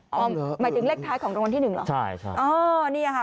หมายถึงเลขท้ายของรางวัลที่หนึ่งเหรอใช่ใช่อ๋อนี่ค่ะ